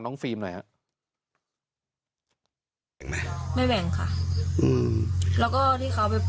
เนื้อถึงหายไป